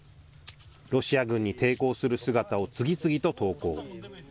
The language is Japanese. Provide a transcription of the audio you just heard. ロシア軍に抵抗する姿を次々と投稿。